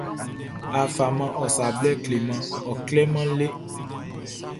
A faman ɔ sa bɛʼn kleman ɔ klɔʼn le.